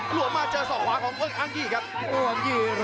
หลวงมาเจอสอกขวาของเอิกอ้างยี่ครับ